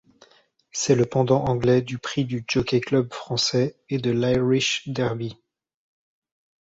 C'est le pendant anglais du Prix du Jockey Club français et de l'Irish Derby.